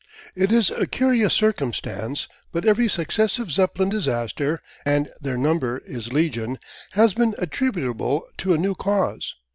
It is a curious circumstance, but every successive Zeppelin disaster, and their number is legion, has been attributable to a new cause.